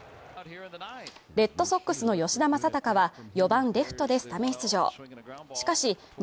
レッドソックスの吉田正尚は４番レフトでスタメン出場